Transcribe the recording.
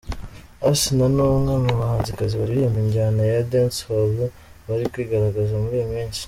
Asinah ni umwe mu bahanzikazi baririmba injyana ya Dancehall bari kwigaragaza muri iyi minsi.